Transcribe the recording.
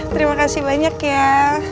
terima kasih banyak ya